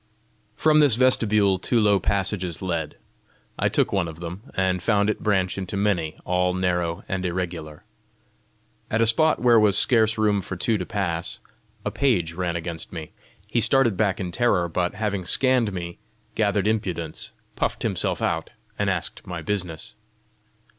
From this vestibule two low passages led; I took one of them, and found it branch into many, all narrow and irregular. At a spot where was scarce room for two to pass, a page ran against me. He started back in terror, but having scanned me, gathered impudence, puffed himself out, and asked my business.